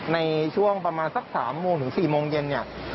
ในช่วงประมาณสัก๓๔โมงเย็นเนี่ย